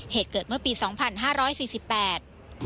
เหตุเกิดเมื่อปีสองพันห้าร้อยสี่สิบแปด